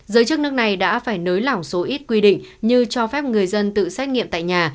giới chức nước này đã phải nới lỏng số ít quy định như cho phép người dân tự xét nghiệm tại nhà